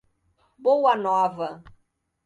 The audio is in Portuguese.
Boa Nova